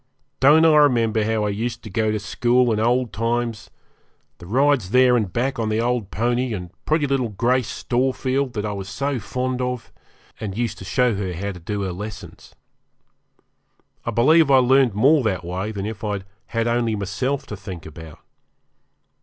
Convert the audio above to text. Don't I remember how I used to go to school in old times; the rides there and back on the old pony; and pretty little Grace Storefield that I was so fond of, and used to show her how to do her lessons. I believe I learned more that way than if I'd had only myself to think about.